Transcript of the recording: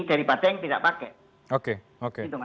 daripada yang tidak pakai